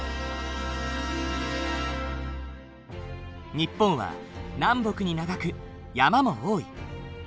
日本は南北に長く山も多い。